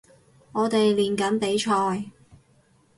我哋練緊比賽